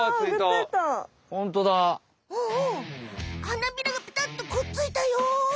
はなびらがペタっとくっついたよ。